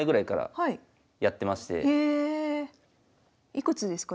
いくつですか？